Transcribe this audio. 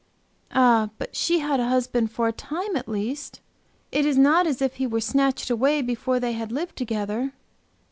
"Ah, but she had a husband for a time, at least. It is not as if he were snatched away before they had lived together."